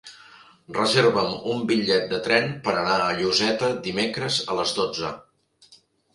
Reserva'm un bitllet de tren per anar a Lloseta dimecres a les dotze.